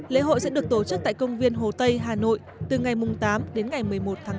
lễ hội sẽ được tổ chức tại công viên hồ tây hà nội từ ngày tám đến ngày một mươi một tháng tám